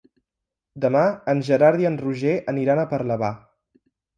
Demà en Gerard i en Roger aniran a Parlavà.